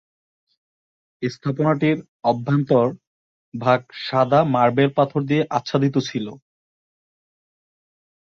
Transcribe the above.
স্থাপনাটির অভ্যন্তর ভাগ সাদা মার্বেল পাথর দিয়ে আচ্ছাদিত ছিল।